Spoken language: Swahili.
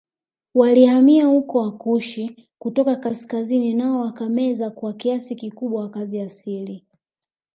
Walihamia huko Wakushi kutoka kaskazini nao wakameza kwa kiasi kikubwa wakazi asili